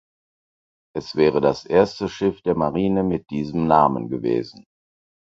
Es wäre das erste Schiff der Marine mit diesem Namen gewesen.